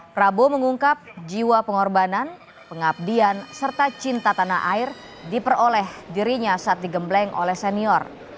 prabowo mengungkap jiwa pengorbanan pengabdian serta cinta tanah air diperoleh dirinya saat digembleng oleh senior